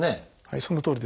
そのとおりですね。